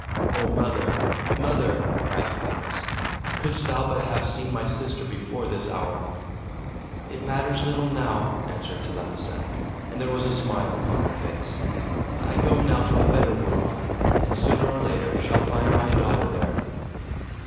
"O mother, mother," cried Cadmus, "couldst thou but have seen my sister before this hour!" "It matters little now," answered Telephassa, and there was a smile upon her face. "I go now to the better world, and, sooner or later, shall find my daughter there."